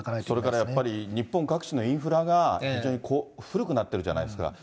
それからやっぱり、日本各地のインフラが古くなってるじゃないですか。